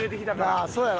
ああそうやろ。